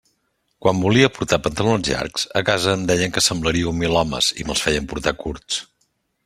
Quan volia portar pantalons llargs a casa em deien que semblaria un milhomes, i me'ls feien portar curts.